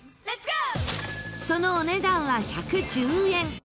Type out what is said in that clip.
そのお値段は１１０円。